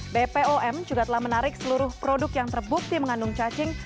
bpom juga telah menarik seluruh produk yang terbukti mengandung cacing